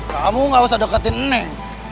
kamu gak usah deketin neng